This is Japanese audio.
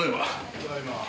ただいま。